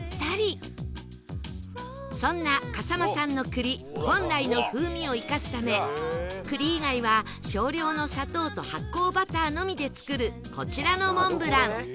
そんな笠間産の栗本来の風味を生かすため栗以外は少量の砂糖と発酵バターのみで作るこちらのモンブラン